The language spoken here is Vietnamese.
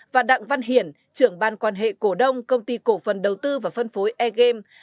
và đặng văn hiển trưởng ban quan hệ cổ đông công ty cổ phần đầu tư và phân phối air game